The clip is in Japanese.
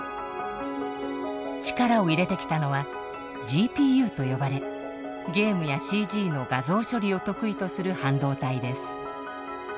力を入れてきたのはＧＰＵと呼ばれゲームやＣＧの画像処理を得意とする半導体です。